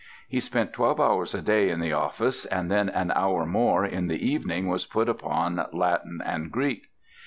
He spent twelve hours a day in the office and then an hour more in the evening was put upon Latin and Greek.